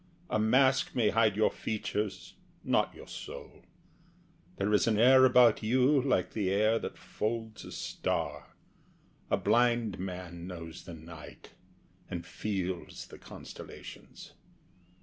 A mask may hide your features, not your soul. There is an air about you like the air That folds a star. A blind man knows the night, And feels the constellations.